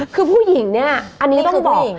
คือผู้หญิงเนี่ยอันนี้ต้องบอก